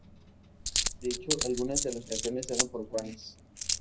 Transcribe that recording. De hecho, algunas de las canciones eran profanas.